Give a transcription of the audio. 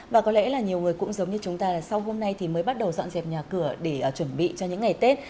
và có lẽ là nhiều người cũng giống như chúng ta là sau hôm nay thì mới bắt đầu dọn dẹp nhà cửa để chuẩn bị cho những ngày tết